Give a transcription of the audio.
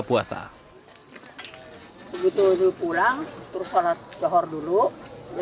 sebelum pulang saya berdoa